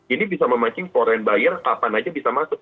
ini bisa memancing foreign buyer kapan aja bisa masuk